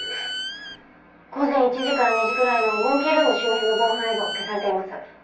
午前１時から２時くらいのモンキールーム周辺の防犯映像が消されています。